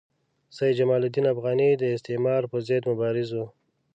سید جمال الدین افغاني د استعمار پر ضد مبارز وو.